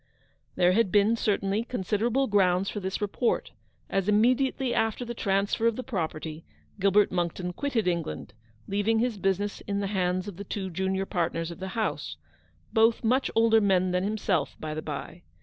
There had been, certainly, considerable grounds for this report, as immediately after the transfer of the property, Gilbert Monckton quitted Eng land, leaving his business in the hands of the two junior partners of the house — both much older men than himself, by the bye.